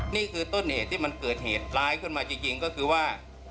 นี่คือต้นเหตุที่มันเกิดเหตุร้ายขึ้นมาจริงก็คือว่า